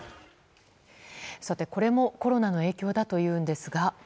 これもコロナの影響だというんですが。